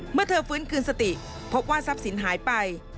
เมื่อเธอฟื้นคืนสติพบว่าทรัพย์สินหายไป